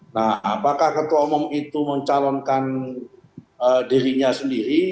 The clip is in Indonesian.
nah apakah ketua umum itu mencalonkan dirinya sendiri